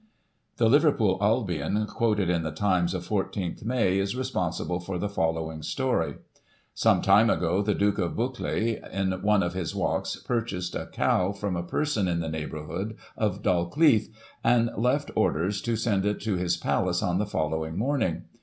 The Liverpool Albion, quoted in the Times of 14 May, is responsible for the following story :" Some time ago, the Duke of Buccleugh, in one of his walks, purchased a cow from a person in the neighbourhood of Dalkeith, and left orders to send it to his palace on the following morning.